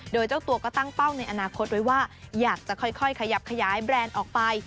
โดยเจ้าตัวก็ตั้งเป้าในอนาคตไว้ว่าอยากจะค่อยขยับขยายแบรนด์ออกไป